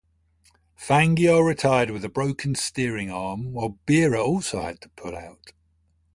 Fangio retired with a broken steering arm, while Behra also had to pull out.